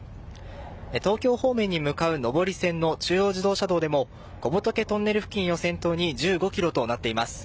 東京方面へ向かう上り線の中央自動車道でも小仏トンネル付近を先頭に１５ｋｍとなっています。